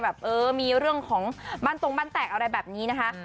แบบเออมีเรื่องของบ้านตรงบ้านแตกอะไรแบบนี้นะคะ